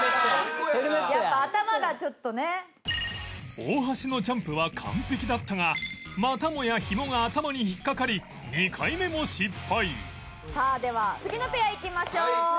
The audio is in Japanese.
大橋のジャンプは完璧だったがまたもやひもが頭に引っ掛かり２回目も失敗さあでは次のペアいきましょう。